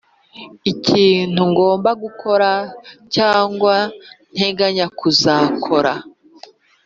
ikintu ngomba gukora cyangwa nteganya kuzakora